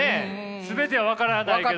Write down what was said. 全ては分からないけど。